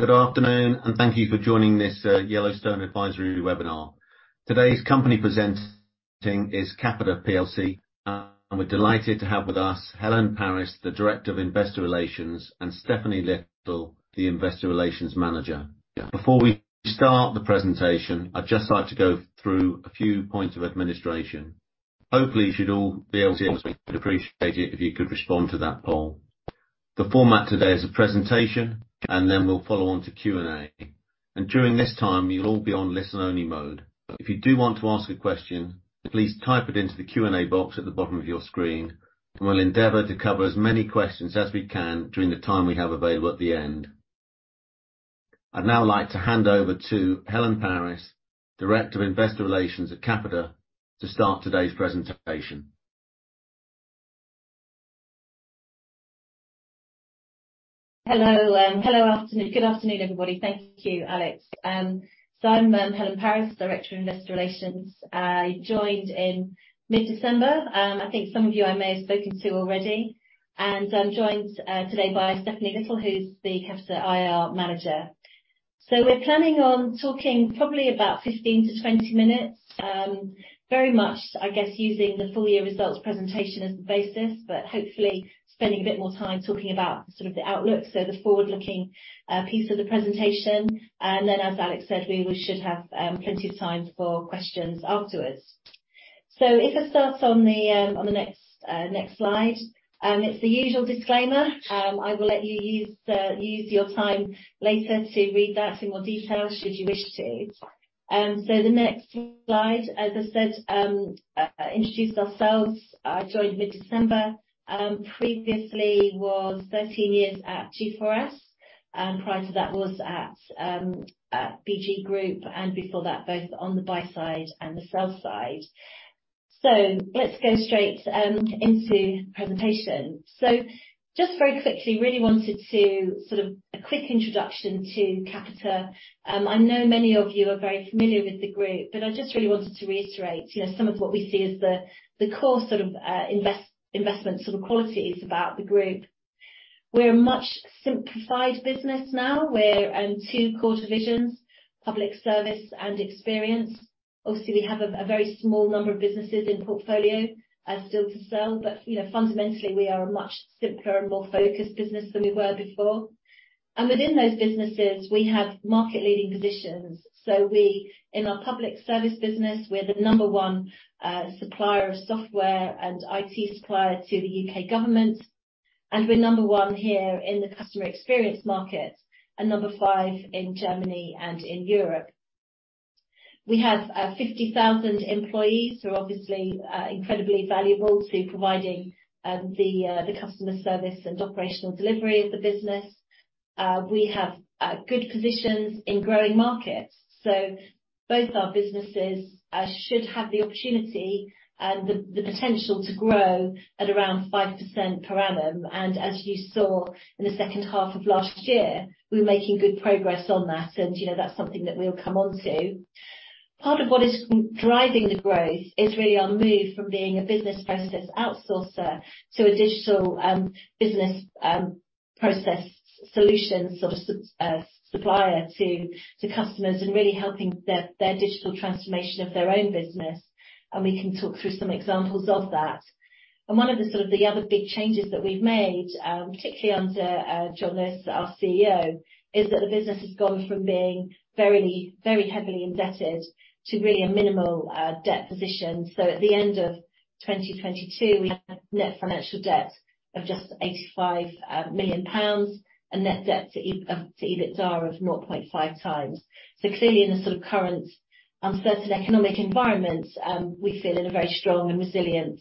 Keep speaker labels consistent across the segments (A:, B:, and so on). A: Good afternoon, and thank you for joining this Yellowstone Advisory webinar. Today's company presenting is Capita PLC, and we're delighted to have with us Helen Parris, the Director of Investor Relations, and Stephanie Little, the Investor Relations Manager. Before we start the presentation, I'd just like to go through a few points of administration. Hopefully, you should all be able to see. We'd appreciate it if you could respond to that poll. The format today is a presentation, and then we'll follow on to Q&A. During this time, you'll all be on listen-only mode. If you do want to ask a question, please type it into the Q&A box at the bottom of your screen, and we'll endeavor to cover as many questions as we can during the time we have available at the end. I'd now like to hand over to Helen Parris, Director of Investor Relations at Capita, to start today's presentation.
B: Hello. Hello, afternoon. Good afternoon, everybody. Thank you, Alex. I'm Helen Parris, Director of Investor Relations. I joined in mid-December. I think some of you I may have spoken to already. I'm joined today by Stephanie Little, who's the Capita IR Manager. We're planning on talking probably about 15-20 minutes, very much, I guess, using the full year results presentation as the basis, but hopefully spending a bit more time talking about sort of the outlook, so the forward-looking piece of the presentation. As Alex said, we should have plenty of time for questions afterwards. If I start on the next slide. It's the usual disclaimer. I will let you use your time later to read that in more detail should you wish to. The next slide, as I said, introduce ourselves. I joined mid-December. Previously was 13 years at G4S, prior to that was at BG Group, before that, both on the buy side and the sell side. Let's go straight into the presentation. Just very quickly, really wanted to sort of a quick introduction to Capita. I know many of you are very familiar with the group, I just really wanted to reiterate, you know, some of what we see as the core sort of investment sort of qualities about the group. We're a much simplified business now. We're two core divisions, Public Service and Experience. Obviously, we have a very small number of businesses in portfolio, still to sell, but you know, fundamentally, we are a much simpler and more focused business than we were before. Within those businesses, we have market-leading positions. We, in our Public Service business, we're the number one supplier of software and IT supplier to the U.K. government. We're number one here in the customer experience market, and number five in Germany and in Europe. We have 50,000 employees who are obviously incredibly valuable to providing the customer service and operational delivery of the business. We have good positions in growing markets. Both our businesses should have the opportunity and the potential to grow at around 5% per annum. As you saw in the second half of last year, we were making good progress on that. You know, that's something that we'll come on to. Part of what is driving the growth is really our move from being a business process outsourcer to a digital business process solution sort of supplier to customers and really helping their digital transformation of their own business. We can talk through some examples of that. One of the sort of the other big changes that we've made, particularly under Jon Lewis, our CEO, is that the business has gone from being very, very heavily indebted to really a minimal debt position. At the end of 2022, we had net financial debt of just 85 million pounds and net debt to EBITDA of 0.5x. Clearly, in the sort of current uncertain economic environment, we feel in a very strong and resilient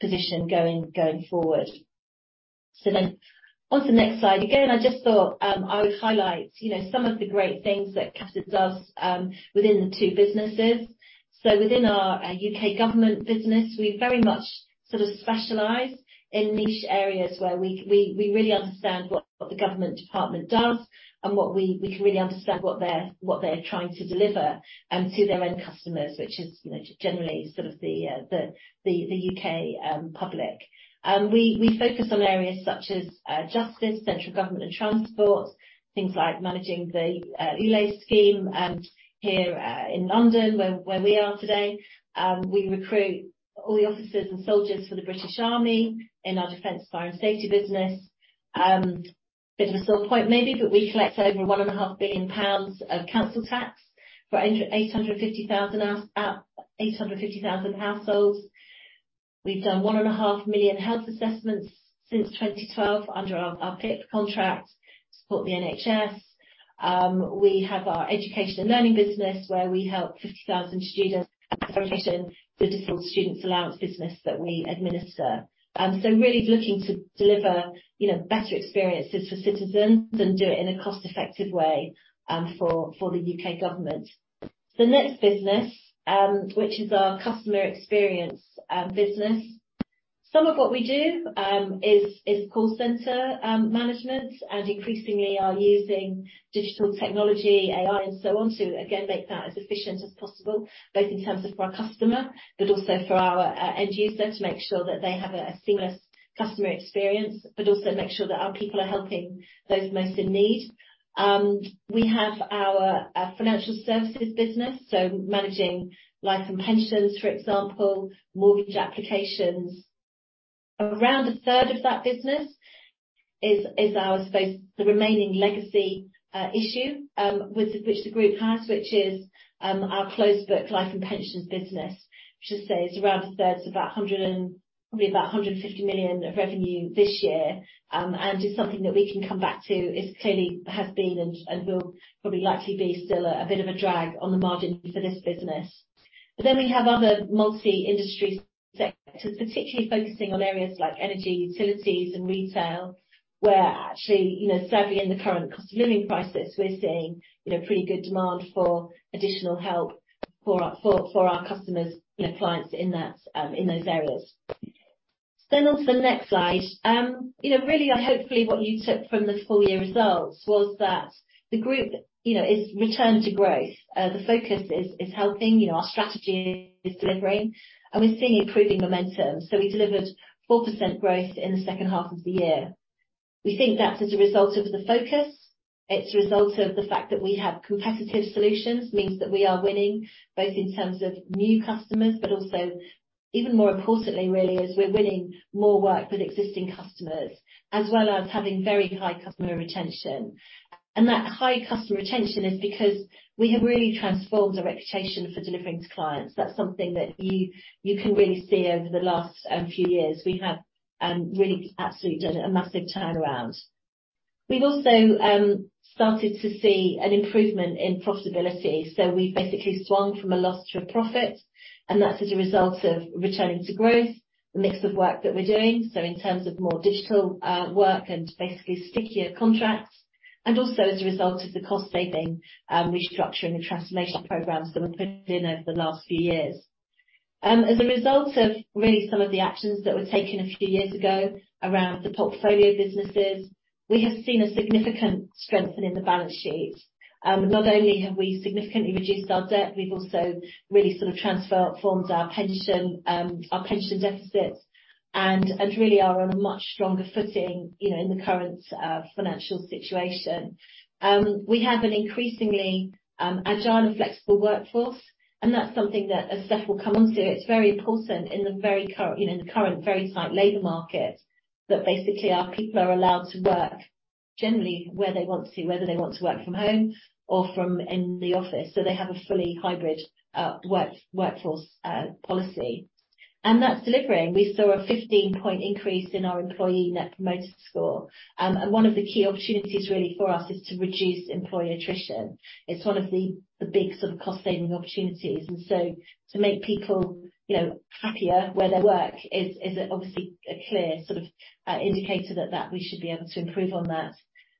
B: position going forward. On to the next slide. Again, I just thought I would highlight, you know, some of the great things that Capita does within the two businesses. Within our U.K. government business, we very much sort of specialize in niche areas where we really understand what the government department does and what we can really understand what they're, what they're trying to deliver to their end customers, which is, you know, generally sort of the U.K. public. We, we focus on areas such as justice, central government and transport, things like managing the ULEZ scheme. Here, in London, where we are today, we recruit all the officers and soldiers for the British Army in our defense, fire, and safety business. Bit of a sore point maybe, but we collect over 1.5 billion pounds of council tax for 850,000 house, 850,000 households. We've done 1.5 million health assessments since 2012 under our PIP contract to support the NHS. We have our education and learning business, where we help 50,000 students in the Disabled Students Allowance business that we administer. Really looking to deliver, you know, better experiences for citizens and do it in a cost-effective way, for the U.K. government. The next business, which is our customer experience business. Some of what we do is call center management and increasingly are using digital technology, AI, and so on to again make that as efficient as possible, both in terms of for our customer, but also for our end user to make sure that they have a seamless customer experience, but also make sure that our people are helping those most in need. We have our financial services business, so managing life and pensions, for example, mortgage applications. Around a third of that business is our, I suppose, the remaining legacy issue with which the group has, which is our closed book life and pensions business. Should say it's around a third, so about 150 million of revenue this year. It's something that we can come back to. It's clearly has been and will probably likely be still a bit of a drag on the margin for this business. We have other multi-industry sectors, particularly focusing on areas like energy, utilities and retail, where actually, you know, sadly in the current cost of living crisis, we're seeing, you know, pretty good demand for additional help for our customers, you know, clients in that in those areas. On to the next slide. You know, really, hopefully what you took from the full year results was that the group, you know, is returned to growth. The focus is helping, you know, our strategy is delivering, and we're seeing improving momentum. We delivered 4% growth in the second half of the year. We think that's as a result of the focus. It's a result of the fact that we have competitive solutions, means that we are winning both in terms of new customers, but also even more importantly really, is we're winning more work with existing customers, as well as having very high customer retention. That high customer retention is because we have really transformed our reputation for delivering to clients. That's something that you can really see over the last few years. We have really absolutely done a massive turnaround. We've also started to see an improvement in profitability, so we've basically swung from a loss to a profit, and that's as a result of returning to growth, the mix of work that we're doing, so in terms of more digital work and basically stickier contracts, and also as a result of the cost saving restructuring and transformation programs that we've put in over the last few years. As a result of really some of the actions that were taken a few years ago around the portfolio businesses, we have seen a significant strengthening the balance sheet. Not only have we significantly reduced our debt, we've also really sort of transformed our pension, our pension deficits and really are on a much stronger footing, you know, in the current financial situation. We have an increasingly agile and flexible workforce, and that's something that as Stephanie will come onto, it's very important in the very current, you know, in the current very tight labor market, that basically our people are allowed to work generally where they want to, whether they want to work from home or from in the office, so they have a fully hybrid workforce policy. That's delivering. We saw a 15 point increase in our employee Net Promoter Score. One of the key opportunities really for us is to reduce employee attrition. It's one of the big sort of cost saving opportunities. To make people, you know, happier where they work is obviously a clear sort of indicator that we should be able to improve on that.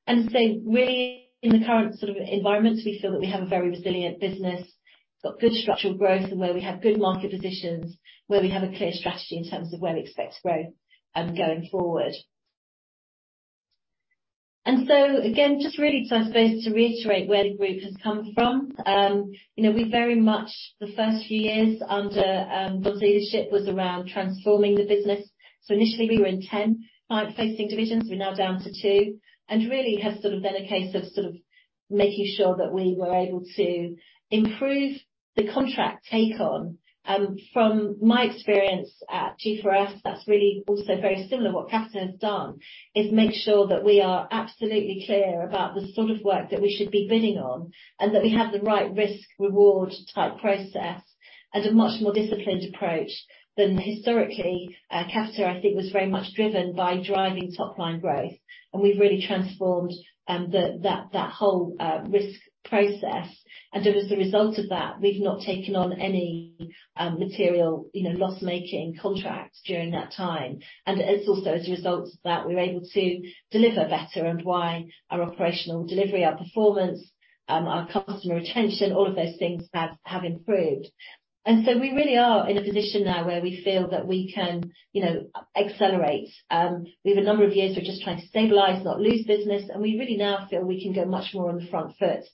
B: Really in the current sort of environment, we feel that we have a very resilient business. We've got good structural growth and where we have good market positions, where we have a clear strategy in terms of where we expect to grow going forward. Again, just really to, I suppose, to reiterate where the group has come from, you know, we very much the first few years under Jon's leadership was around transforming the business. Initially we were in 10 client-facing divisions. We're now down to two, and really has sort of been a case of sort of making sure that we were able to improve the contract take on. From my experience at G4S, that's really also very similar. What Capita has done is make sure that we are absolutely clear about the sort of work that we should be bidding on, and that we have the right risk/reward type process and a much more disciplined approach than historically, Capita I think was very much driven by driving top-line growth. We've really transformed the, that whole risk process. As a result of that, we've not taken on any material, you know, loss-making contracts during that time. It is also as a result of that, we're able to deliver better and why our operational delivery, our performance, our customer retention, all of those things have improved. We really are in a position now where we feel that we can, you know, accelerate. We have a number of years, we're just trying to stabilize, not lose business, and we really now feel we can go much more on the front foot.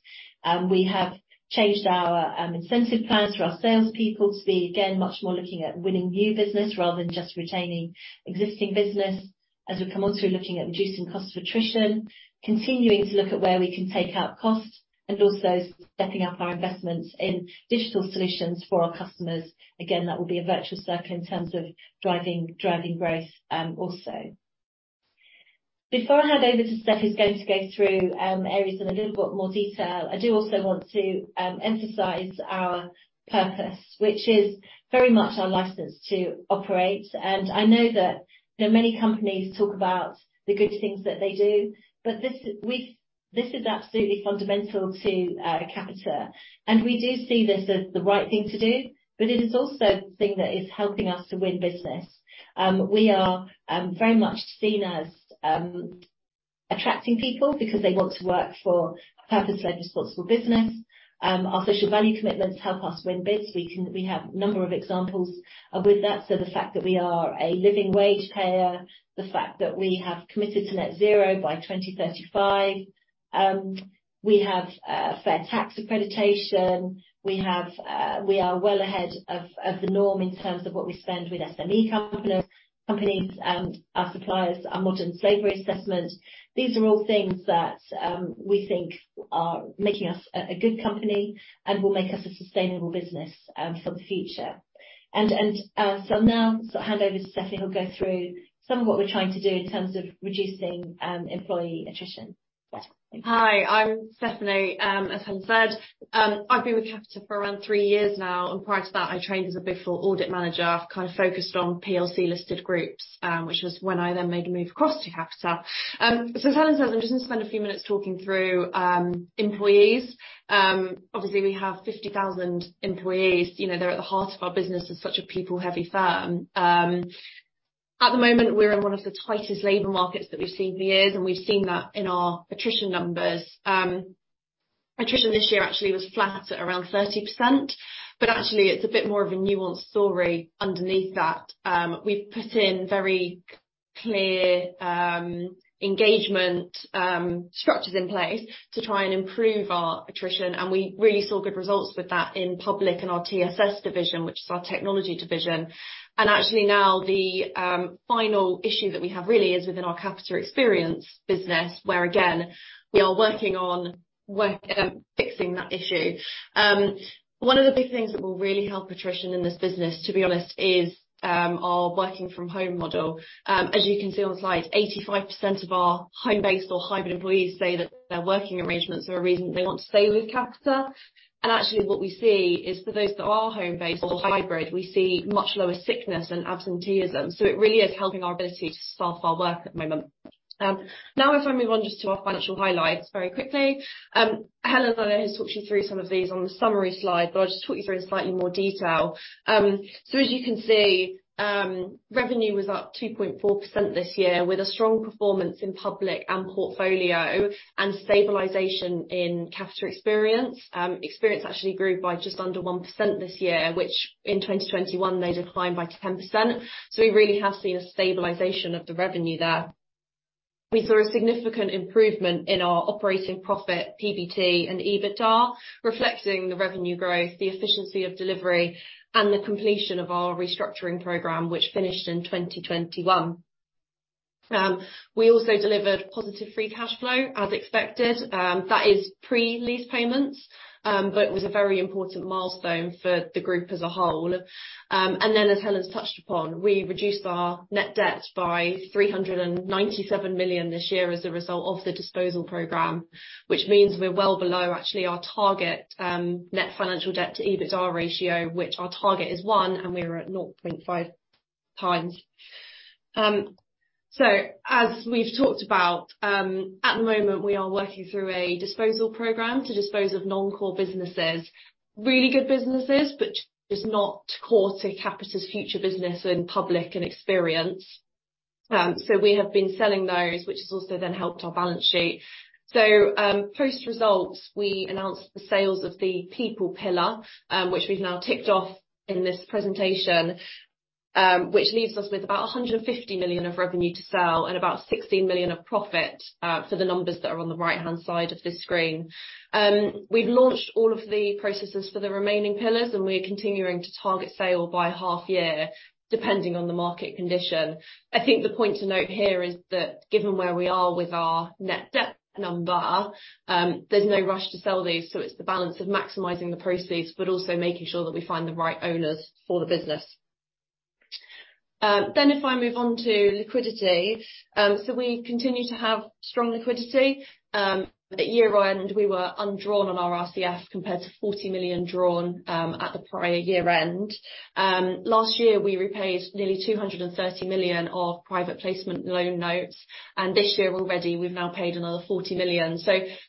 B: We have changed our incentive plans for our salespeople to be, again, much more looking at winning new business rather than just retaining existing business. We come on to looking at reducing cost of attrition, continuing to look at where we can take out costs, and also stepping up our investments in digital solutions for our customers. That will be a virtual circle in terms of driving growth, also. Before I hand over to Stephanie, who's going to go through areas in a little bit more detail, I do also want to emphasize our purpose, which is very much our license to operate. I know that, you know, many companies talk about the good things that they do. This is absolutely fundamental to Capita. We do see this as the right thing to do. It is also something that is helping us to win business. We are very much seen as attracting people because they want to work for a purpose-led responsible business. Our social value commitments help us win bids. We have number of examples with that. The fact that we are a living wage payer, the fact that we have committed to net zero by 2035. We have a fair tax accreditation. We have, we are well ahead of the norm in terms of what we spend with SME companies and our suppliers, our modern slavery assessment. These are all things that we think are making us a good company and will make us a sustainable business for the future. So now I'll hand over to Stephanie, who'll go through some of what we're trying to do in terms of reducing employee attrition. Yeah. Thank you.
C: Hi, I'm Stephanie. As Helen said, I've been with Capita for around three years now. Prior to that, I trained as a Big Four Audit Manager, kind of focused on PLC-listed groups, which was when I then made the move across to Capita. As Helen said, I'm just gonna spend a few minutes talking through employees. Obviously, we have 50,000 employees. You know, they're at the heart of our business as such a people-heavy firm. At the moment, we're in one of the tightest labor markets that we've seen for years. We've seen that in our attrition numbers. Attrition this year actually was flat at around 30%. Actually, it's a bit more of a nuanced story underneath that. We've put in very clear engagement structures in place to try and improve our attrition. We really saw good results with that in public and our TSS division, which is our technology division. Actually now the final issue that we have really is within our Capita Experience business where, again, we are working on fixing that issue. One of the big things that will really help attrition in this business, to be honest, is our working from home model. As you can see on the slide, 85% of our home-based or hybrid employees say that their working arrangements are a reason they want to stay with Capita. Actually what we see is for those that are home-based or hybrid, we see much lower sickness and absenteeism. It really is helping our ability to staff our work at the moment. Now if I move on just to our financial highlights very quickly. Helen, I know, has talked you through some of these on the summary slide, but I'll just talk you through in slightly more detail. As you can see, revenue was up 2.4% this year, with a strong performance in Public and portfolio and stabilization in Capita Experience. Capita Experience actually grew by just under 1% this year, which in 2021 they declined by 10%. We really have seen a stabilization of the revenue there. We saw a significant improvement in our operating profit, PBT and EBITDA, reflecting the revenue growth, the efficiency of delivery, and the completion of our restructuring program, which finished in 2021. We also delivered positive free cash flow as expected. That is pre-lease payments, but it was a very important milestone for the group as a whole. As Helen's touched upon, we reduced our net debt by 397 million this year as a result of the disposal program, which means we're well below actually our target, net financial debt to EBITDA ratio, which our target is 1, and we're at 0.5 times. As we've talked about, at the moment, we are working through a disposal program to dispose of non-core businesses. Really good businesses, but just not core to Capita's future business in Public and Experience. We have been selling those, which has also then helped our balance sheet. Post results, we announced the sales of the People Pillar, which we've now ticked off in this presentation, which leaves us with about 150 million of revenue to sell and about 16 million of profit for the numbers that are on the right-hand side of this screen. We've launched all of the processes for the remaining pillars, and we're continuing to target sale by half year, depending on the market condition. I think the point to note here is that given where we are with our net debt number, there's no rush to sell these, so it's the balance of maximizing the proceeds but also making sure that we find the right owners for the business. If I move on to liquidity. We continue to have strong liquidity. At year-end, we were undrawn on our RCF compared to 40 million drawn at the prior year-end. Last year, we repaid nearly 230 million of private placement loan notes, and this year already we've now paid another 40 million.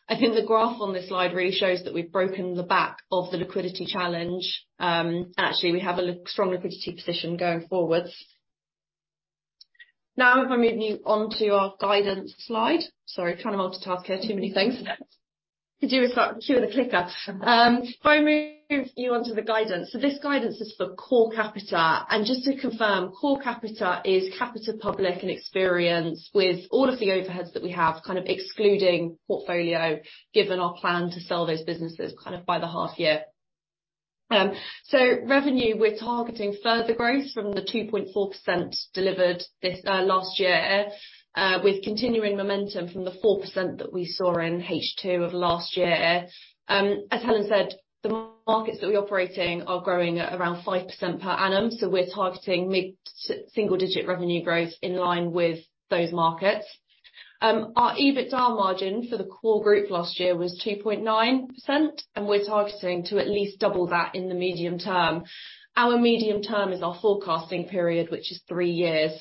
C: I think the graph on this slide really shows that we've broken the back of the liquidity challenge. Actually, we have a strong liquidity position going forwards. Now if I move you on to our guidance slide. Sorry, trying to multitask here. Too many things. Could you cue the clicker. If I move you on to the guidance. This guidance is for core Capita. Just to confirm, core Capita is Capita Public and Experience with all of the overheads that we have, kind of excluding portfolio, given our plan to sell those businesses kind of by the half year. Revenue, we're targeting further growth from the 2.4% delivered this last year, with continuing momentum from the 4% that we saw in H2 of last year. As Helen said, the markets that we operate in are growing at around 5% per annum, so we're targeting mid-single digit revenue growth in line with those markets. Our EBITDA margin for the core group last year was 2.9%, and we're targeting to at least double that in the medium term. Our medium term is our forecasting period, which is three years.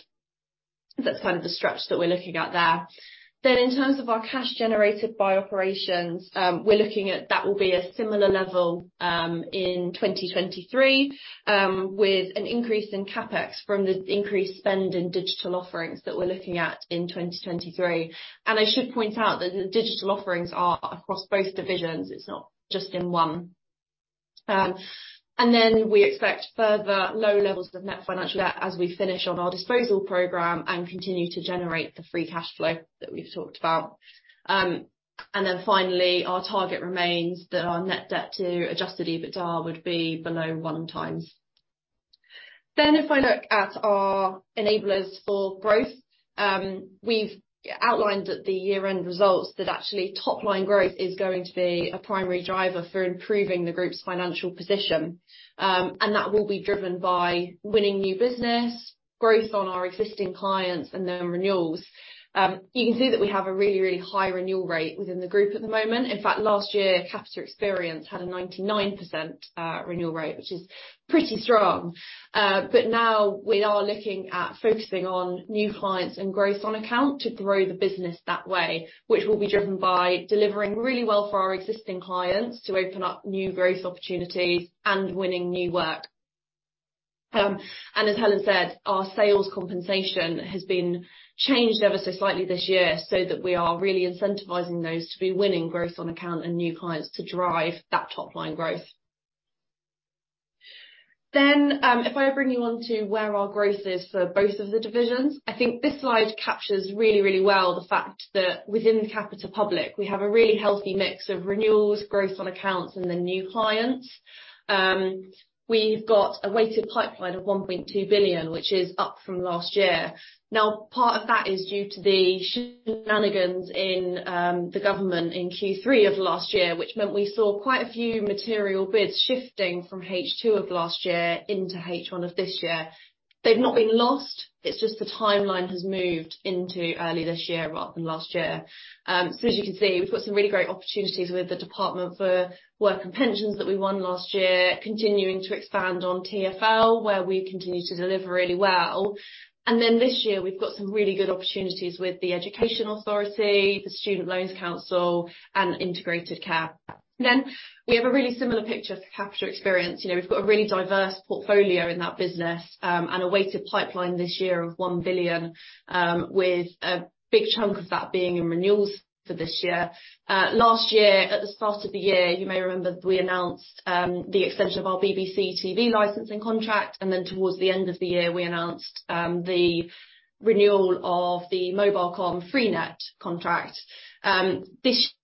C: That's kind of the stretch that we're looking at there. In terms of our cash generated by operations, we're looking at that will be a similar level in 2023 with an increase in CapEx from the increased spend in digital offerings that we're looking at in 2023. I should point out that the digital offerings are across both divisions. It's not just in one. We expect further low levels of net financial debt as we finish on our disposal program and continue to generate the free cash flow that we've talked about. Finally, our target remains that our net debt to adjusted EBITDA would be below 1 times. If I look at our enablers for growth, we've outlined at the year-end results that actually top-line growth is going to be a primary driver for improving the group's financial position. That will be driven by winning new business, growth on our existing clients, and then renewals. You can see that we have a really high renewal rate within the group at the moment. In fact, last year, Capita Experience had a 99% renewal rate, which is pretty strong. Now we are looking at focusing on new clients and growth on account to grow the business that way, which will be driven by delivering really well for our existing clients to open up new growth opportunities and winning new work. As Helen said, our sales compensation has been changed ever so slightly this year so that we are really incentivizing those to be winning growth on account and new clients to drive that top-line growth. If I bring you on to where our growth is for both of the divisions, I think this slide captures really, really well the fact that within Capita Public, we have a really healthy mix of renewals, growth on accounts, and then new clients. We've got a weighted pipeline of 1.2 billion, which is up from last year. Part of that is due to the shenanigans in the government in Q3 of last year, which meant we saw quite a few material bids shifting from H2 of last year into H1 of this year. They've not been lost, it's just the timeline has moved into early this year rather than last year. As you can see, we've got some really great opportunities with the Department for Work and Pensions that we won last year, continuing to expand on TfL, where we continue to deliver really well. This year we've got some really good opportunities with the Educational Authority, the Student Loans Company, and Integrated Care. We have a really similar picture for Capita Experience. You know, we've got a really diverse portfolio in that business, and a weighted pipeline this year of 1 billion, with a big chunk of that being in renewals for this year. Last year, at the start of the year, you may remember we announced the extension of our BBC TV licensing contract, towards the end of the year, we announced the renewal of the Mobilcom-Freenet contract. This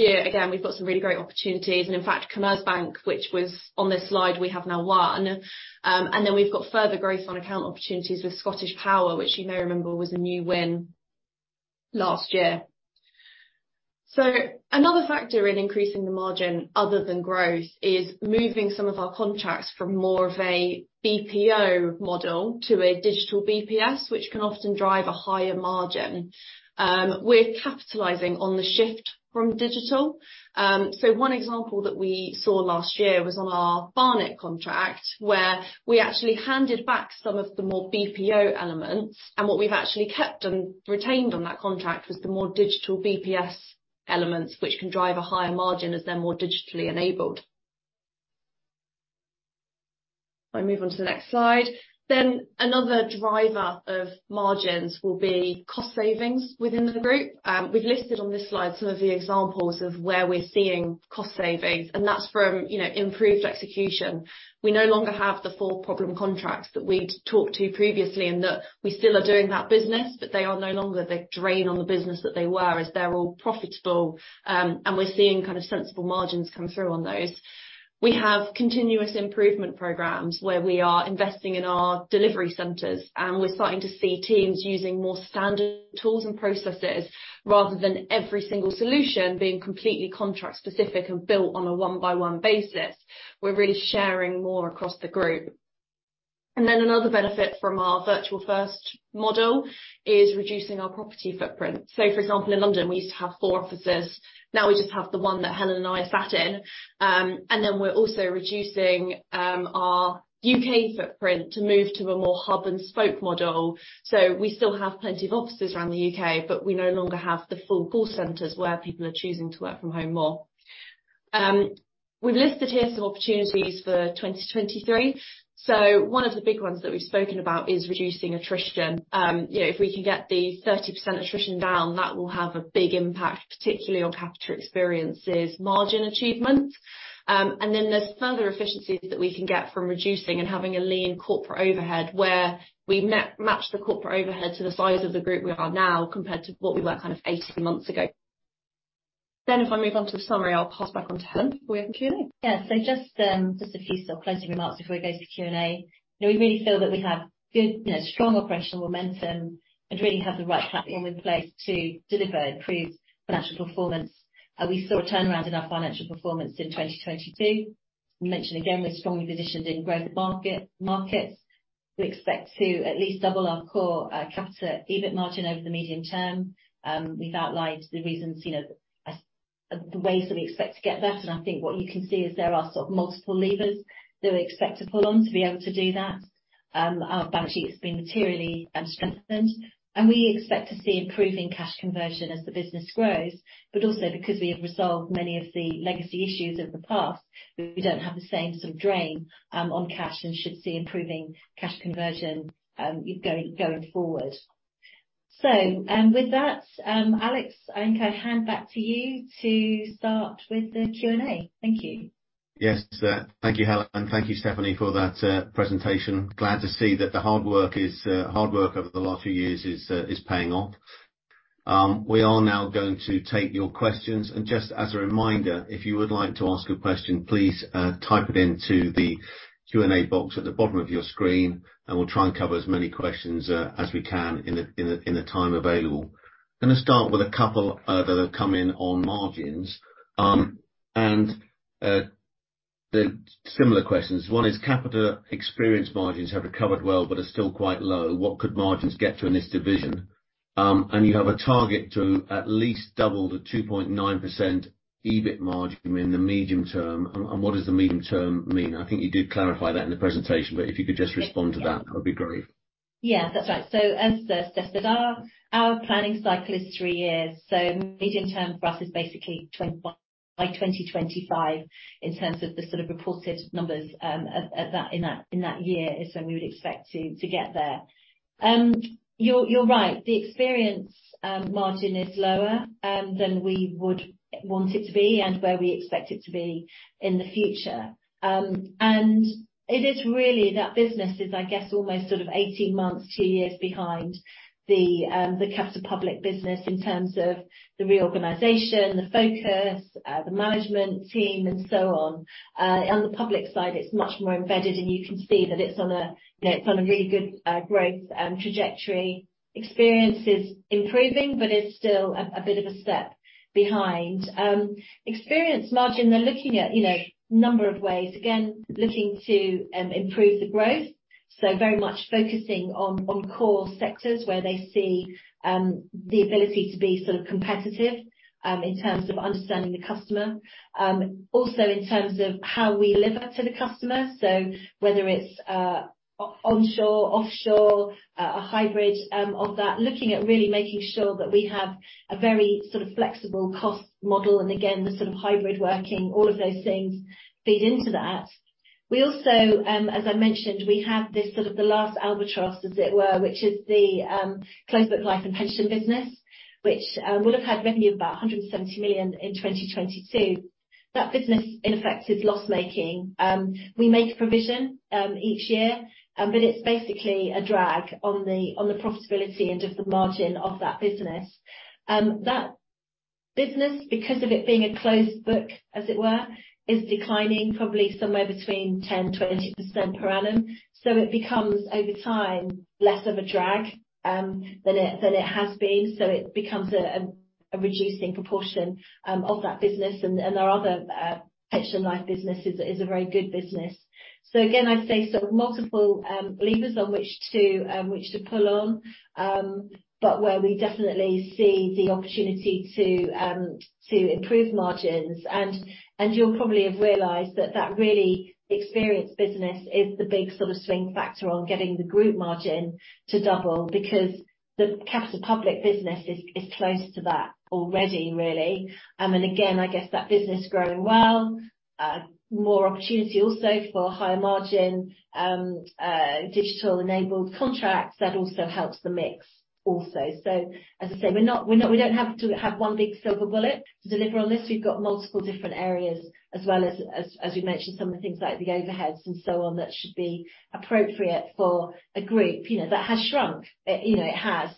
C: year, again, we've got some really great opportunities and in fact, Commerzbank, which was on this slide, we have now won. We've got further growth on account opportunities with Scottish Power, which you may remember was a new win last year. Another factor in increasing the margin other than growth is moving some of our contracts from more of a BPO model to a digital BPS, which can often drive a higher margin. We're capitalizing on the shift from digital. One example that we saw last year was on our Barnet contract, where we actually handed back some of the more BPO elements, and what we've actually kept and retained on that contract was the more digital BPS elements, which can drive a higher margin as they're more digitally enabled. If I move on to the next slide. Another driver of margins will be cost savings within the group. We've listed on this slide some of the examples of where we're seeing cost savings, and that's from, you know, improved execution. We no longer have the four problem contracts that we'd talked to previously, and that we still are doing that business, but they are no longer the drain on the business that they were as they're all profitable, and we're seeing kind of sensible margins come through on those. We have continuous improvement programs where we are investing in our delivery centers, and we're starting to see teams using more standard tools and processes rather than every single solution being completely contract-specific and built on a 1-by-1 basis. We're really sharing more across the group. Another benefit from our virtual first model is reducing our property footprint. For example, in London, we used to have four offices, now we just have the one that Helen and I sat in. We're also reducing our U.K. footprint to move to a more hub and spoke model. We still have plenty of offices around the U.K., but we no longer have the full call centers where people are choosing to.work from home more. We've listed here some opportunities for 2023. One of the big ones that we've spoken about is reducing attrition. You know, if we can get the 30% attrition down, that will have a big impact, particularly on Capita Experience's margin achievements. There's further efficiencies that we can get from reducing and having a lean corporate overhead where we match the corporate overhead to the size of the group we are now compared to what we were kind of 18 months ago. If I move on to the summary, I'll pass back on to Helen before we have Q&A.
B: Yeah. Just a few sort of closing remarks before we go to Q&A. You know, we really feel that we have good, you know, strong operational momentum and really have the right platform in place to deliver improved financial performance. We saw a turnaround in our financial performance in 2022. We mentioned again, we're strongly positioned in growth markets. We expect to at least double our core Capita EBIT margin over the medium term. We've outlined the reasons, you know, the ways that we expect to get there. I think what you can see is there are sort of multiple levers that we expect to pull on to be able to do that. Our balance sheet has been materially strengthened, and we expect to see improving cash conversion as the business grows, but also because we have resolved many of the legacy issues of the past, we don't have the same sort of drain on cash and should see improving cash conversion going forward. And with that, Alex, I think I hand back to you to start with the Q&A. Thank you.
A: Yes. Thank you, Helen. Thank you, Stephanie, for that presentation. Glad to see that the hard work over the last few years is paying off. We are now going to take your questions. Just as a reminder, if you would like to ask a question, please type it into the Q&A box at the bottom of your screen, and we'll try and cover as many questions as we can in the time available. I'm gonna start with a couple that have come in on margins. They're similar questions. One is, "Capita Experience margins have recovered well, but are still quite low. What could margins get to in this division?" "You have a target to at least double the 2.9% EBIT margin in the medium term. What does the medium term mean? I think you did clarify that in the presentation, but if you could just respond to that'd be great.
B: Yeah, that's right. As, as discussed, our planning cycle is three years. Medium-term for us is basically by 2025 in terms of the sort of reported numbers, at that, in that, in that year is when we would expect to get there. You're, you're right. The Experience margin is lower than we would want it to be and where we expect it to be in the future. It is really that business is, I guess, almost sort of 18 months, two years behind the Capita Public business in terms of the reorganization, the focus, the management team and so on. On the Public side, it's much more embedded, and you can see that it's on a, you know, it's on a really good growth trajectory. Experience is improving, it's still a bit of a step behind. Experience margin, they're looking at, you know, number of ways. Again, looking to improve the growth. Very much focusing on core sectors where they see the ability to be sort of competitive in terms of understanding the customer. In terms of how we deliver to the customer, so whether it's onshore, offshore, a hybrid of that, looking at really making sure that we have a very sort of flexible cost model and again, the sort of hybrid working, all of those things feed into that. We also, as I mentioned, we have this sort of the last albatross, as it were, which is the closed book Life and Pension business, which would have had revenue of about 170 million in 2022. That business, in effect, is loss-making. We make a provision each year, but it's basically a drag on the profitability and just the margin of that business. That business, because of it being a closed book, as it were, is declining probably somewhere between 10%-20% per annum. It becomes, over time, less of a drag than it has been. It becomes a reducing proportion of that business. Our other Pension and Life business is a very good business. Again, I say sort of multiple levers on which to which to pull on, but where we definitely see the opportunity to improve margins. You'll probably have realized that that really Capita Experience is the big sort of swing factor on getting the group margin to double because the Capita Public Service is close to that already, really. Again, I guess that business growing well, more opportunity also for higher margin digital-enabled contracts, that also helps the mix also. As I say, we're not we don't have to have one big silver bullet to deliver on this. We've got multiple different areas as well as we mentioned, some of the things like the overheads and so on that should be appropriate for a group, you know, that has shrunk. You know, it has.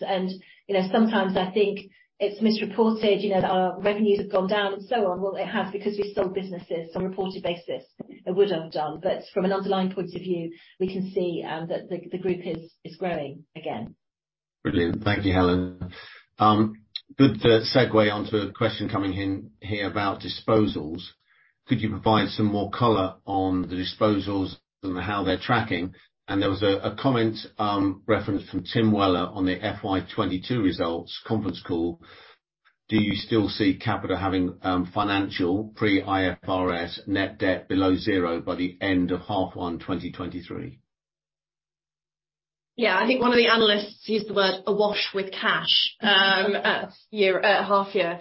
B: You know, sometimes I think it's misreported, you know, that our revenues have gone down and so on. Well, it has because we sold businesses on a reported basis. It would have done. From an underlying point of view, we can see that the group is growing again.
A: Brilliant. Thank you, Helen. Good segue onto a question coming in here about disposals. Could you provide some more color on the disposals and how they're tracking? There was a comment referenced from Tim Weller on the FY 2022 results conference call. Do you still see Capita having financial pre-IFRS net debt below zero by the end of half one 2023?
C: Yeah. I think one of the analysts used the word awash with cash, half year.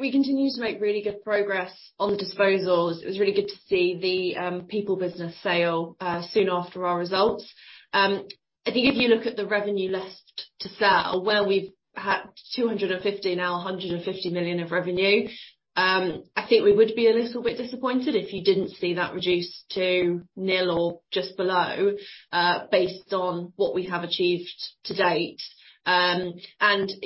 C: We continue to make really good progress on the disposals. It was really good to see the People business sale soon after our results. I think if you look at the revenue left to sell, where we've had 250 million, now 150 million of revenue, I think we would be a little bit disappointed if you didn't see that reduced to nil or just below, based on what we have achieved to date. You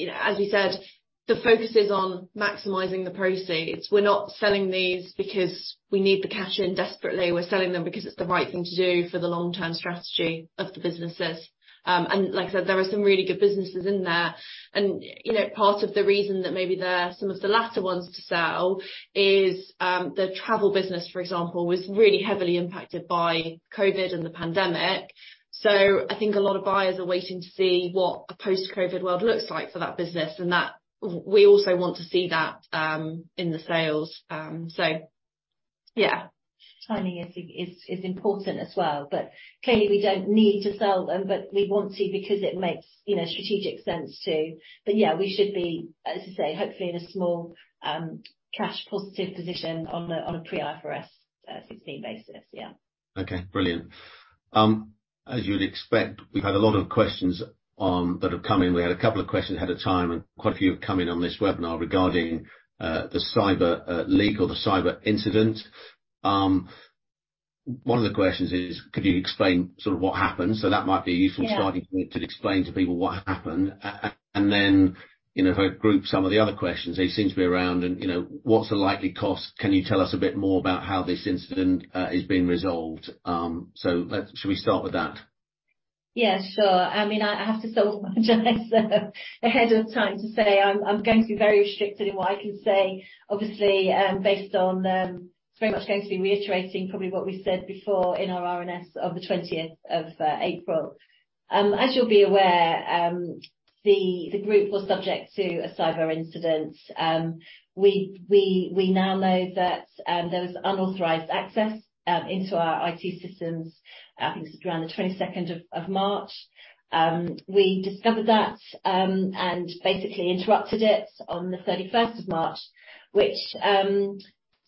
C: know, as we said, the focus is on maximizing the proceeds. We're not selling these because we need the cash in desperately. We're selling them because it's the right thing to do for the long-term strategy of the businesses. Like I said, there are some really good businesses in there. You know, part of the reason that maybe they're some of the latter ones to sell is, the travel business, for example, was really heavily impacted by COVID and the pandemic. I think a lot of buyers are waiting to see what a post-COVID world looks like for that business and that we also want to see that, in the sales. Yeah.
B: Timing is important as well. Clearly we don't need to sell them, but we want to because it makes you know, strategic sense to. Yeah, we should be, as I say, hopefully in a small, cash positive position on a pre-IFRS 16 basis. Yeah.
A: Okay, brilliant. As you would expect, we've had a lot of questions, that have come in. We had a couple of questions ahead of time and quite a few have come in on this webinar regarding, the cyber, leak or the cyber incident. One of the questions is, could you explain sort of what happened? That might be a useful-
B: Yeah
A: Starting point to explain to people what happened. Then, you know, if I group some of the other questions, they seem to be around and, you know, what's the likely cost? Can you tell us a bit more about how this incident is being resolved? Shall we start with that?
B: Yeah, sure. I mean, I have to sort of apologize ahead of time to say I'm going to be very restricted in what I can say, obviously, based on. It's very much going to be reiterating probably what we said before in our RNS of the 20th of April. As you'll be aware, the group was subject to a cyber incident. We now know that there was unauthorized access into our IT systems, I think it was around the 22nd of March. We discovered that, basically interrupted it on the March 31st, which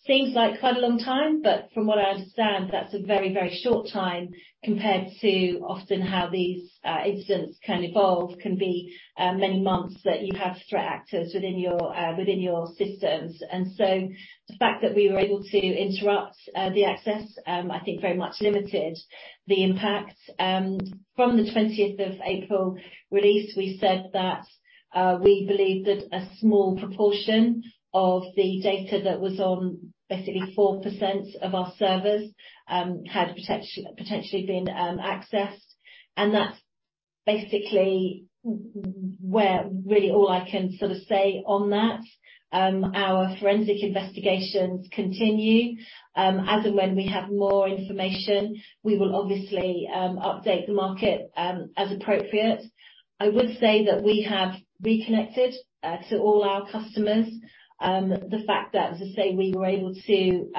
B: seems like quite a long time, but from what I understand, that's a very, very short time compared to often how these incidents can evolve, can be many months that you have threat actors within your systems. The fact that we were able to interrupt the access, I think very much limited the impact. From the April 20th release, we said that we believed that a small proportion of the data that was on basically 4% of our servers, had potentially been accessed. That's basically where really all I can sort of say on that. Our forensic investigations continue. As and when we have more information, we will obviously update the market as appropriate. I would say that we have reconnected to all our customers. The fact that, as I say, we were able to, you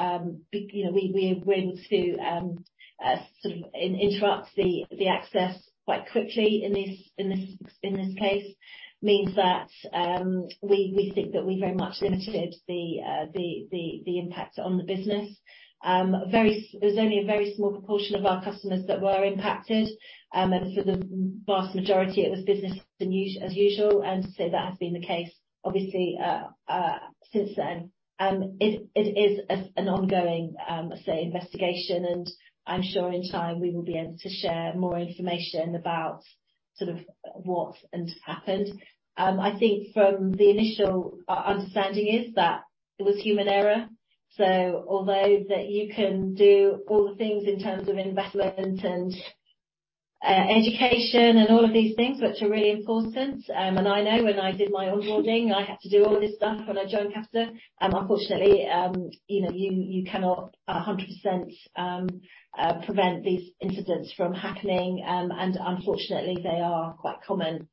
B: know, we were able to sort of interrupt the access quite quickly in this case, means that we think that we very much limited the impact on the business. There's only a very small proportion of our customers that were impacted. For the vast majority, it was business as usual, and so that has been the case obviously since then. It is an ongoing, I say, investigation, and I'm sure in time we will be able to share more information about sort of what's happened. I think from the initial understanding is that it was human error. Although that you can do all the things in terms of investment and education and all of these things which are really important, and I know when I did my onboarding, I had to do all of this stuff when I joined Capita, unfortunately, you know, you cannot 100% prevent these incidents from happening. Unfortunately, they are quite common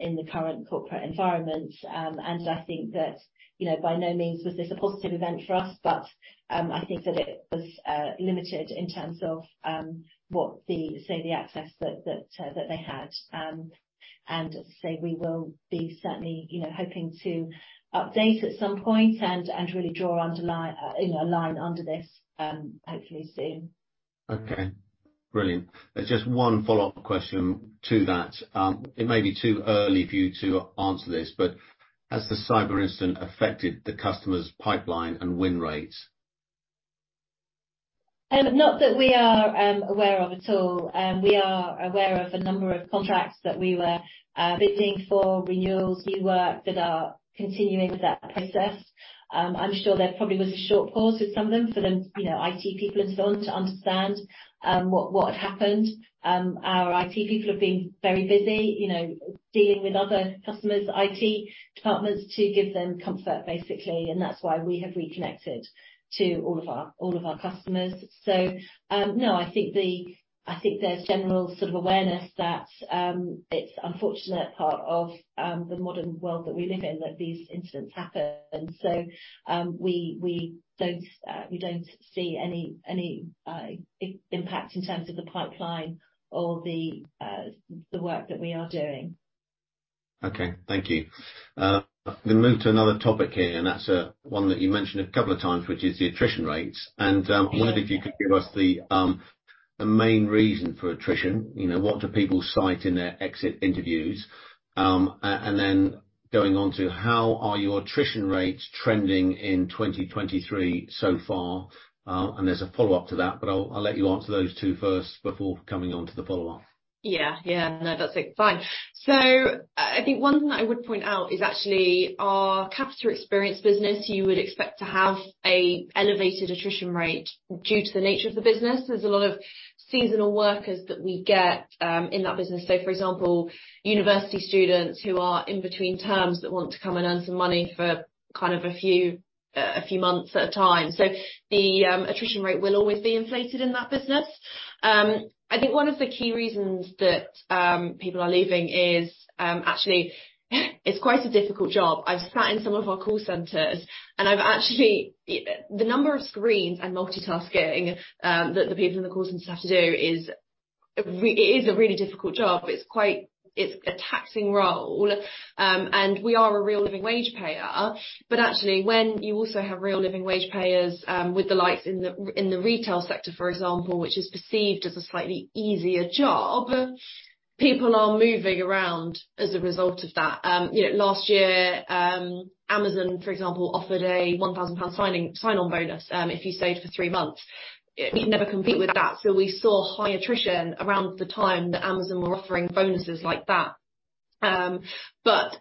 B: in the current corporate environment. I think that, you know, by no means was this a positive event for us, but I think that it was limited in terms of what the, say, the access that, that they had. As I say, we will be certainly, you know, hoping to update at some point and really draw, you know, a line under this, hopefully soon.
A: Okay. Brilliant. There's just one follow-up question to that. It may be too early for you to answer this, but has the cyber incident affected the customer's pipeline and win rates?
B: Not that we are aware of at all. We are aware of a number of contracts that we were bidding for renewals, new work that are continuing with that process. I'm sure there probably was a short pause with some of them for the IT people and so on to understand what had happened. Our IT people have been very busy dealing with other customers' IT departments to give them comfort, basically. That's why we have reconnected to all of our customers. No, I think there's general sort of awareness that it's unfortunate part of the modern world that we live in that these incidents happen. We don't see any impact in terms of the pipeline or the work that we are doing.
A: Okay. Thank you. I'm gonna move to another topic here. That's one that you mentioned a couple of times, which is the attrition rates.
B: Yeah
A: I wondered if you could give us the main reason for attrition. You know, what do people cite in their exit interviews? Then going on to how are your attrition rates trending in 2023 so far? There's a follow-up to that, but I'll let you answer those two first before coming on to the follow-up.
C: Yeah. Yeah. No, that's fine. I think one thing I would point out is actually our Capita Experience business, you would expect to have a elevated attrition rate due to the nature of the business. There's a lot of seasonal workers that we get in that business. For example, university students who are in between terms that want to come and earn some money for kind of a few, a few months at a time. The attrition rate will always be inflated in that business. I think one of the key reasons that people are leaving is actually it's quite a difficult job. I've sat in some of our call centers, and I've actually. The number of screens and multitasking that the people in the call centers have to do is. It is a really difficult job. It's a taxing role. We are a real living wage payer. Actually, when you also have real living wage payers, with the likes in the retail sector, for example, which is perceived as a slightly easier job, people are moving around as a result of that. You know, last year, Amazon, for example, offered a 1,000 pound sign-on bonus, if you stayed for three months. We'd never compete with that. We saw high attrition around the time that Amazon were offering bonuses like that. As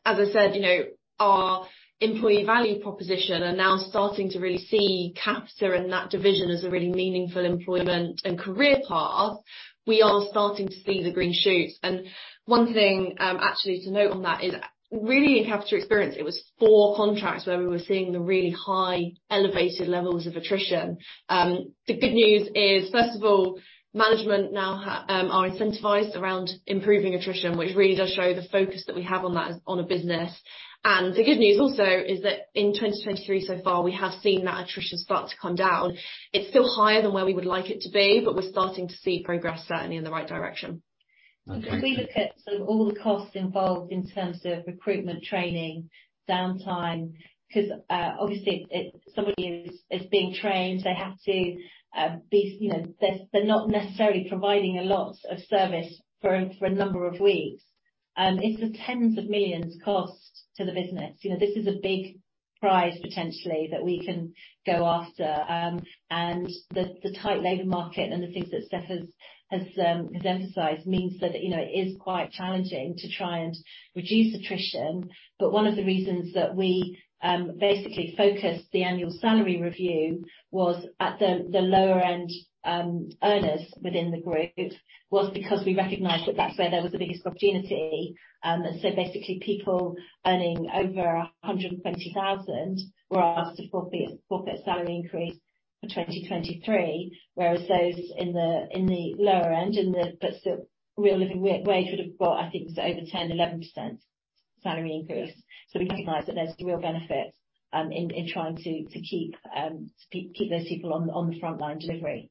C: I said, you know, our employee value proposition are now starting to really see Capita and that division as a really meaningful employment and career path. We are starting to see the green shoots. One thing, actually to note on that is really in Capita Experience, it was four contracts where we were seeing the really high elevated levels of attrition. The good news is, first of all, management now are incentivized around improving attrition, which really does show the focus that we have on that on a business. The good news also is that in 2023 so far, we have seen that attrition start to come down. It's still higher than where we would like it to be, but we're starting to see progress certainly in the right direction.
A: Okay.
B: If we look at sort of all the costs involved in terms of recruitment, training, downtime, 'cause obviously somebody is being trained, they have to be, you know, they're not necessarily providing a lot of service for a number of weeks. It's a GBP tens of millions cost to the business. You know, this is a big prize potentially that we can go after. The tight labor market and the things that Steph has emphasized means that, you know, it is quite challenging to try and reduce attrition. One of the reasons that we basically focused the annual salary review was at the lower end earners within the group was because we recognized that that's where there was the biggest opportunity. Basically people earning over 120,000 were asked to forfeit salary increase for 2023, whereas those in the lower end but still real living wage would have got, I think it was over 10%-11% salary increase. We recognize that there's real benefit in trying to keep those people on the front line delivery.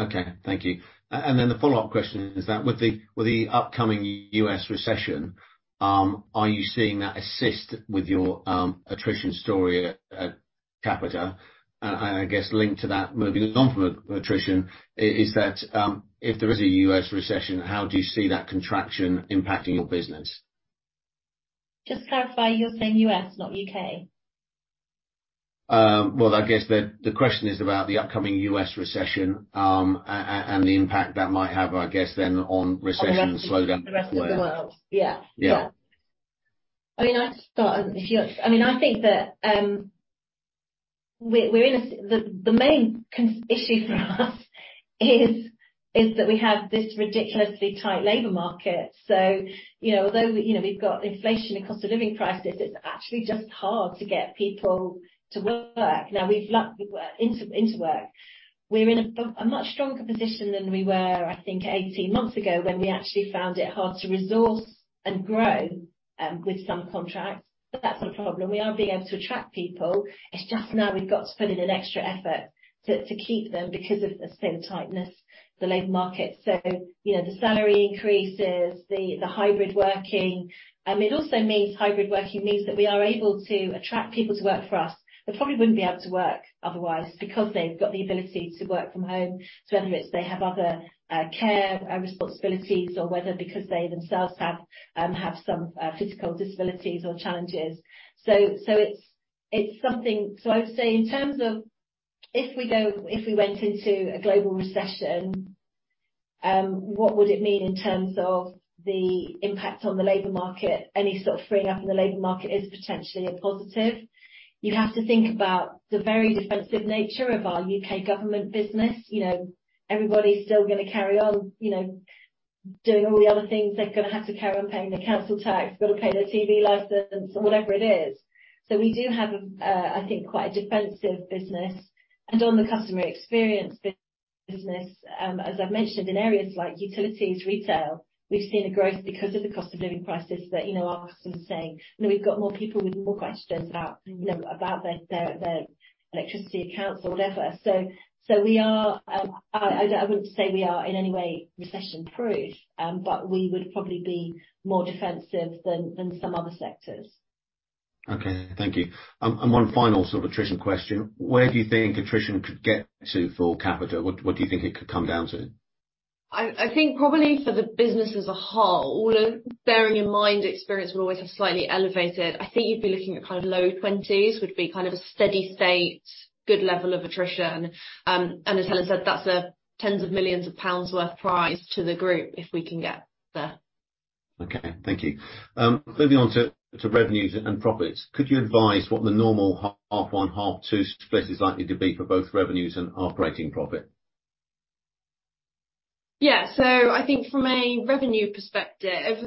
A: Okay. Thank you. The follow-up question is that with the upcoming U.S. recession, are you seeing that assist with your attrition story at Capita? I guess linked to that, moving on from attrition is that, if there is a U.S. recession, how do you see that contraction impacting your business?
B: Just to clarify, you're saying U.S., not U.K.?
A: I guess the question is about the upcoming U.S. recession, and the impact that might have, I guess then on recession slowdown.
B: On the rest of the world. Yeah.
A: Yeah.
B: Yeah. I mean, I'll start. If you want. I mean, I think that the main issue for us is that we have this ridiculously tight labor market. You know, although, you know, we've got inflation and cost of living crisis, it's actually just hard to get people to work. Now, into work. We're in a much stronger position than we were, I think 18 months ago, when we actually found it hard to resource and grow with some contracts. That's not a problem. We are being able to attract people. It's just now we've got to put in an extra effort to keep them because of the same tightness, the labor market. You know, the salary increases, the hybrid working. It also means hybrid working means that we are able to attract people to work for us that probably wouldn't be able to work otherwise because they've got the ability to work from home. Whether it's they have other care responsibilities or whether because they themselves have some physical disabilities or challenges. I would say in terms of if we went into a global recession, what would it mean in terms of the impact on the labor market? Any sort of freeing up in the labor market is potentially a positive. You have to think about the very defensive nature of our U.K. government business. You know, everybody's still gonna carry on, you know, doing all the other things. They're gonna have to carry on paying their council tax, got to pay their TV license or whatever it is. We do have, I think, quite a defensive business. On the customer experience business, as I've mentioned in areas like utilities, retail, we've seen a growth because of the cost of living crisis that, you know, our customers are saying, "You know, we've got more people with more questions about, you know, about their, their electricity accounts or whatever." We are, I wouldn't say we are in any way recession-proof, but we would probably be more defensive than some other sectors.
A: Okay. Thank you. One final sort of attrition question. Where do you think attrition could get to for Capita? What do you think it could come down to?
C: I think probably for the business as a whole, although bearing in mind Experience will always have slightly elevated, I think you'd be looking at kind of low twenties, would be kind of a steady-state good level of attrition. As Helen said, that's a tens of millions of pounds worth price to the group if we can get there.
A: Okay. Thank you. Moving on to revenues and profits. Could you advise what the normal half one, half two split is likely to be for both revenues and half operating profit?
C: I think from a revenue perspective,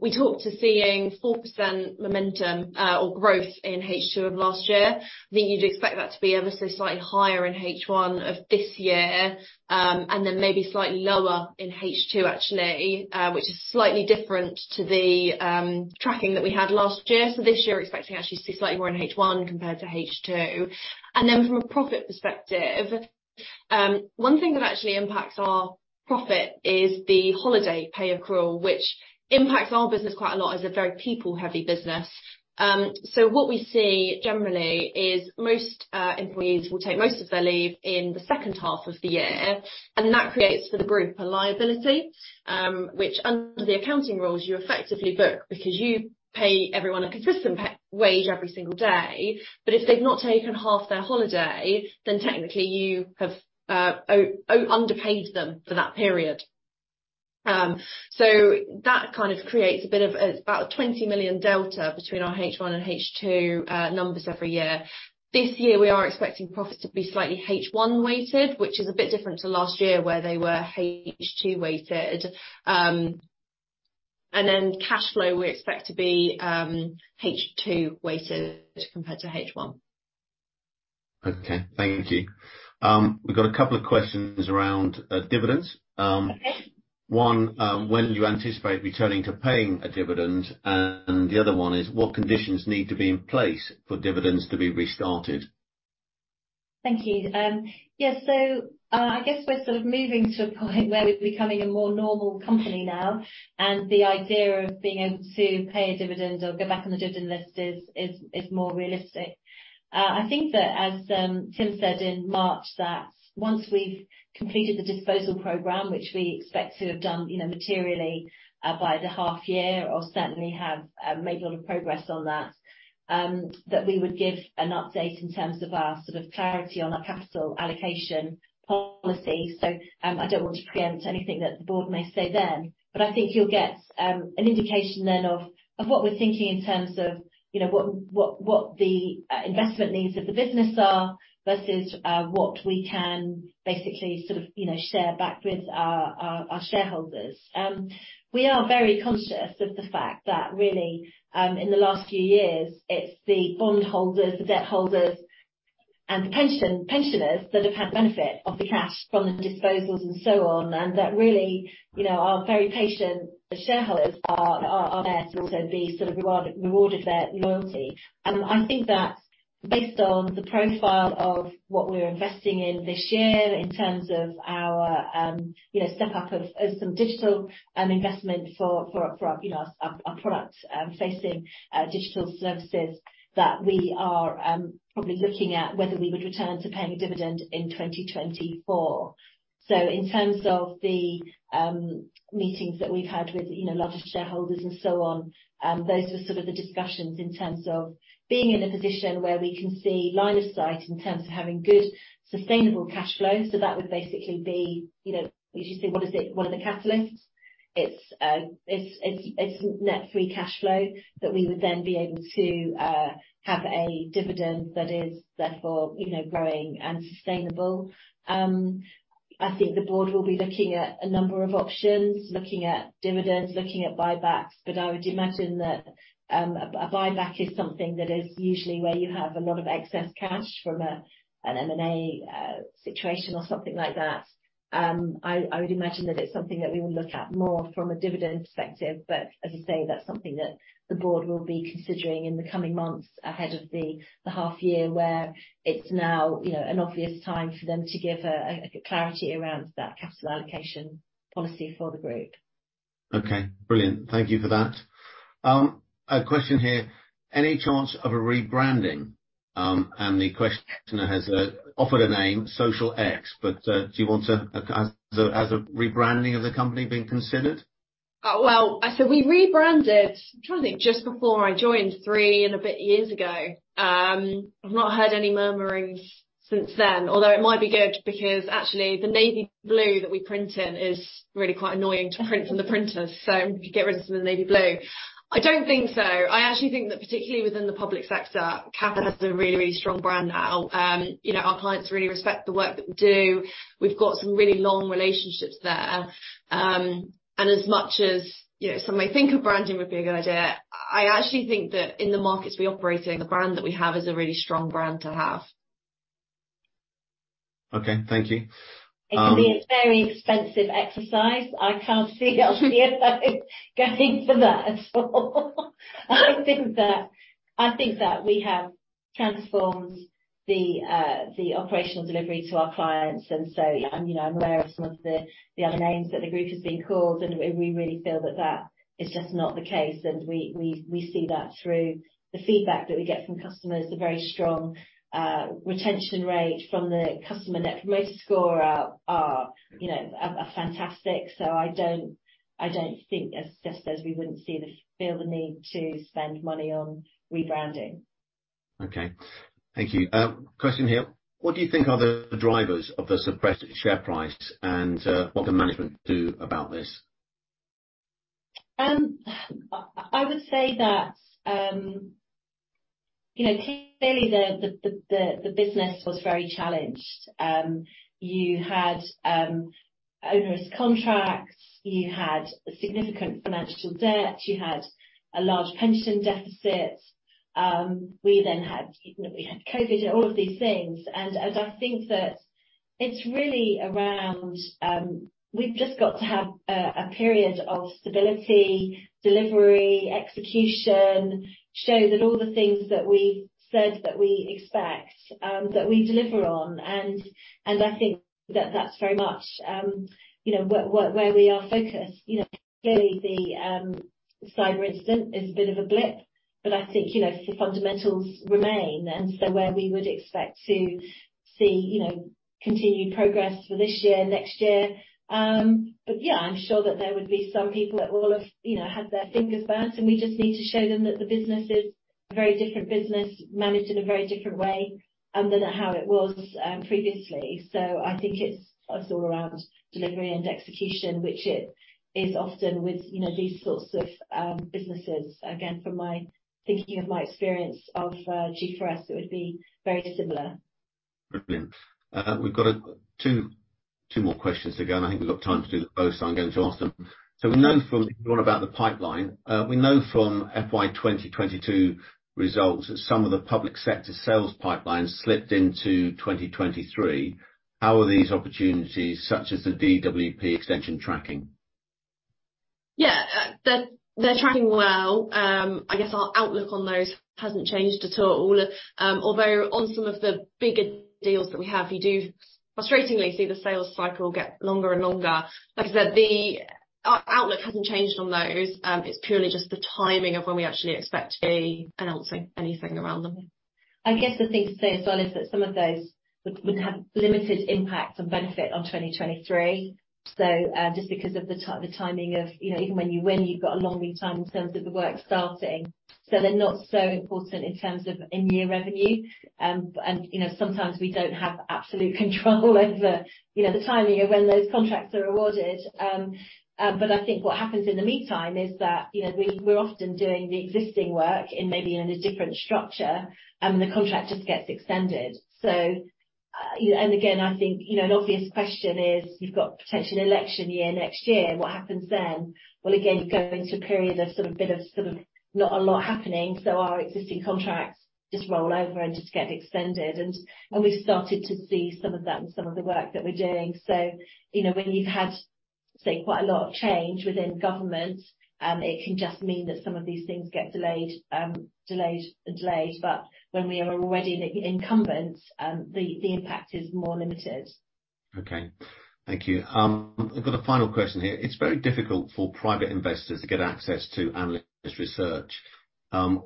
C: we talked to seeing 4% momentum or growth in H2 of last year. I think you'd expect that to be ever so slightly higher in H1 of this year, and then maybe slightly lower in H2, actually, which is slightly different to the tracking that we had last year. This year, expecting actually to see slightly more in H1 compared to H2. From a profit perspective, one thing that actually impacts our profit is the holiday pay accrual, which impacts our business quite a lot as a very people-heavy business. What we see generally is most employees will take most of their leave in the second half of the year, and that creates for the group a liability, which under the accounting rules you effectively book because you pay everyone a consistent wage every single day. If they've not taken half their holiday, then technically you have underpaid them for that period. That kind of creates a bit of, about 20 million delta between our H1 and H2 numbers every year. This year we are expecting profits to be slightly H1 weighted, which is a bit different to last year where they were H2 weighted. Cash flow we expect to be H2 weighted compared to H1.
A: Okay. Thank you. We've got a couple of questions around dividends.
B: Okay.
A: One, when do you anticipate returning to paying a dividend? The other one is what conditions need to be in place for dividends to be restarted?
B: Thank you. yes. I guess we're sort of moving to a point where we're becoming a more normal company now, and the idea of being able to pay a dividend or go back on the dividend list is more realistic. I think that, as, Tim said in March, that once we've completed the disposal program, which we expect to have done, you know, materially, by the half year or certainly have, made a lot of progress on that we would give an update in terms of our sort of clarity on our capital allocation policy. I don't want to preempt anything that the board may say then, but I think you'll get an indication then of what we're thinking in terms of, you know, what the investment needs of the business are versus what we can basically sort of, you know, share back with our shareholders. We are very conscious of the fact that really, in the last few years it's the bond holders, the debt holders and the pensioners that have had the benefit of the cash from the disposals and so on. That really, you know, our very patient shareholders are there to also be sort of rewarded for their loyalty. I think that based on the profile of what we're investing in this year in terms of our, you know, step up of some digital investment for, for our, you know, our product facing digital services, that we are probably looking at whether we would return to paying a dividend in 2024. In terms of the meetings that we've had with, you know, larger shareholders and so on, those are sort of the discussions in terms of being in a position where we can see line of sight in terms of having good sustainable cash flow. That would basically be, you know, you just say what is it, what are the catalysts? It's net free cash flow that we would then be able to have a dividend that is therefore, you know, growing and sustainable. I think the board will be looking at a number of options, looking at dividends, looking at buybacks. I would imagine that a buyback is something that is usually where you have a lot of excess cash from an M&A situation or something like that. I would imagine that it's something that we will look at more from a dividend perspective. As I say, that's something that the board will be considering in the coming months ahead of the half year, where it's now, you know, an obvious time for them to give a clarity around that capital allocation policy for the group.
A: Okay, brilliant. Thank you for that. A question here, any chance of a rebranding? The questioner has offered a name, Social X. Has a rebranding of the company been considered?
B: We rebranded, I'm trying to think, just before I joined three and a bit years ago. I've not heard any murmurings since then. It might be good because actually the navy blue that we print in is really quite annoying to print from the printers. If you get rid of some of the navy blue. I don't think so. I actually think that particularly within the public sector, Capita has a really, really strong brand now. You know, our clients really respect the work that we do. We've got some really long relationships there. As much as, you know, some may think a branding would be a good idea, I actually think that in the markets we operate in, the brand that we have is a really strong brand to have.
A: Okay. Thank you.
B: It can be a very expensive exercise. I can't see our CFO going for that at all. I think that we have transformed the operational delivery to our clients. You know, I'm aware of some of the other names that the group has been called, and we really feel that that is just not the case. We see that through the feedback that we get from customers, the very strong retention rate from the customer Net Promoter Score, are, you know, fantastic. I don't, I don't think, as Jess says, we wouldn't feel the need to spend money on rebranding.
A: Okay. Thank you. Question here, what do you think are the drivers of the suppressed share price, and what can management do about this?
B: I would say that, you know, clearly the, the business was very challenged. You had onerous contracts, you had significant financial debt, you had a large pension deficit. We then had, you know, we had COVID and all of these things. As I think that it's really around, we've just got to have a period of stability, delivery, execution, show that all the things that we said that we expect, that we deliver on. And I think that that's very much, you know, where, where we are focused. You know, clearly the cyber incident is a bit of a blip. I think, you know, the fundamentals remain, and so where we would expect to see, you know, continued progress for this year, next year. Yeah, I'm sure that there would be some people that will have, you know, had their fingers burnt, and we just need to show them that the business is a very different business, managed in a very different way than how it was previously. I think it's all around delivery and execution, which it is often with, you know, these sorts of businesses. Again, from my thinking of my experience of G4S, it would be very similar.
A: Brilliant. We've got two more questions again. I think we've got time to do both, so I'm going to ask them. We know about the pipeline. We know from FY 2022 results that some of the public sector sales pipelines slipped into 2023. How are these opportunities, such as the DWP extension, tracking?
C: Yeah. They're tracking well. I guess our outlook on those hasn't changed at all. Although on some of the bigger deals that we have, you do frustratingly see the sales cycle get longer and longer. Like I said, the outlook hasn't changed on those. It's purely just the timing of when we actually expect to be announcing anything around them.
B: I guess the thing to say as well is that some of those would have limited impact and benefit on 2023. Just because of the timing of, you know, even when you win, you've got a long lead time in terms of the work starting. They're not so important in terms of in-year revenue. You know, sometimes we don't have absolute control over, you know, the timing of when those contracts are awarded. I think what happens in the meantime is that, you know, we're often doing the existing work in maybe in a different structure, and the contract just gets extended. You know, and again, I think, you know, an obvious question is you've got potentially an election year next year, what happens then? Again, you go into a period of sort of bit of sort of not a lot happening, so our existing contracts just roll over and just get extended. We've started to see some of that in some of the work that we're doing. You know, when you've had, say, quite a lot of change within government, it can just mean that some of these things get delayed and delayed. When we are already the incumbent, the impact is more limited.
A: Okay. Thank you. I've got a final question here. It's very difficult for private investors to get access to analyst research.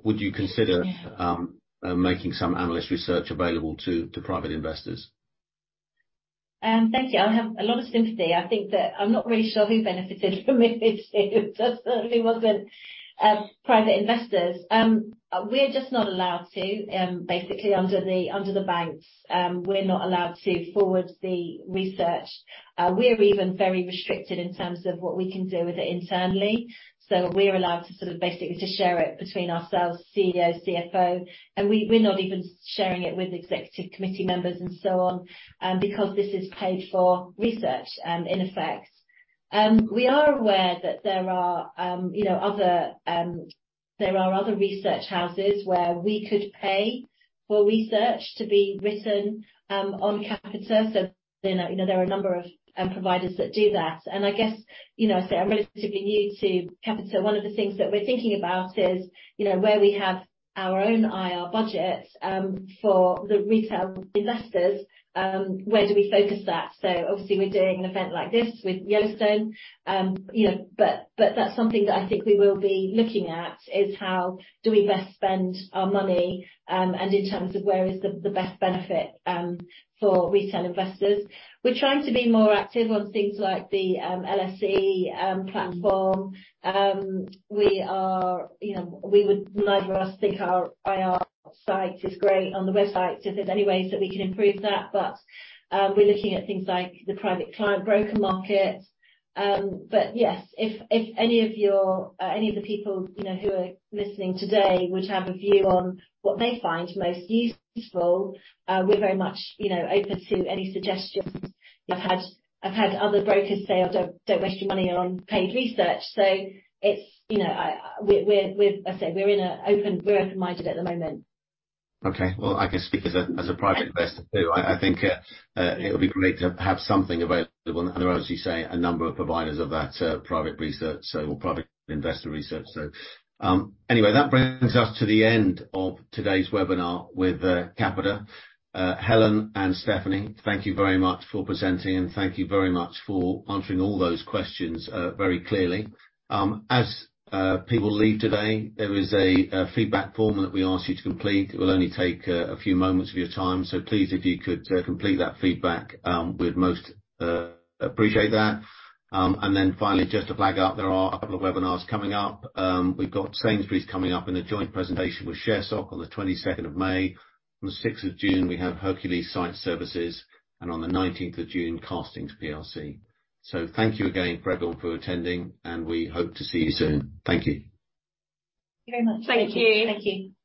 A: Would you consider.
B: Yeah.
A: Making some analyst research available to private investors?
B: Thank you. I have a lot of sympathy. I think that I'm not really sure who benefited from it. It certainly wasn't private investors. We're just not allowed to basically under the, under the banks, we're not allowed to forward the research. We're even very restricted in terms of what we can do with it internally. We're allowed to sort of basically just share it between ourselves, CEO, CFO, and we're not even sharing it with executive committee members and so on, because this is paid for research in effect. We are aware that there are, you know, other, there are other research houses where we could pay for research to be written on Capita. You know, there are a number of providers that do that. I guess, you know, say I'm relatively new to Capita, one of the things that we're thinking about is, you know, where we have our own IR budget for the retail investors, where do we focus that? Obviously we're doing an event like this with Yellowstone. You know, but that's something that I think we will be looking at, is how do we best spend our money, and in terms of where is the best benefit for retail investors. We're trying to be more active on things like the LSE platform. We are, you know, we would neither of us think our IR site is great on the website, so there's any ways that we can improve that. We're looking at things like the private client broker market. Yes, if any of your... any of the people, you know, who are listening today would have a view on what they find most useful, we're very much, you know, open to any suggestions. I've had other brokers say, "Oh, don't waste your money on paid research." It's, you know, we're open-minded at the moment.
A: Okay. Well, I can speak as a private investor too. I think it would be great to have something available. There are, as you say, a number of providers of that private research, or private investor research. Anyway, that brings us to the end of today's webinar with Capita. Helen and Stephanie, thank you very much for presenting, and thank you very much for answering all those questions very clearly. As people leave today, there is a feedback form that we ask you to complete. It will only take a few moments of your time. Please, if you could complete that feedback, we'd most appreciate that. Finally, just to flag up, there are a couple of webinars coming up. We've got Sainsbury's coming up in a joint presentation with ShareSoc on the May 22nd. On the June 6th, we have Hercules Site Services, and on the June 19th, Castings PLC. Thank you again everyone for attending, and we hope to see you soon. Thank you.
B: Thank you very much.
C: Thank you.
B: Thank you.